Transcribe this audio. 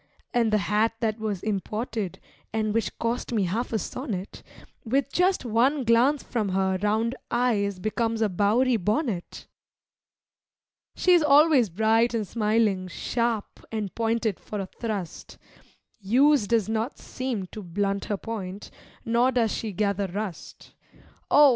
And the hat that was imported (and which cost me half a sonnet), With just one glance from her round eyes becomes a Bowery bonnet. She is always bright and smiling, sharp and pointed for a thrust. Use does not seem to blunt her point, nor does she gather rust, Oh!